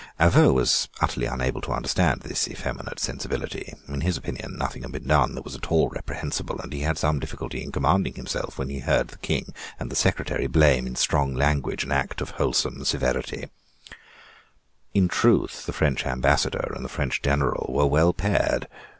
Avaux was utterly unable to understand this effeminate sensibility. In his opinion, nothing had been done that was at all reprehensible; and he had some difficulty in commanding himself when he heard the King and the secretary blame, in strong language, an act of wholesome severity, In truth the French ambassador and the French general were well paired.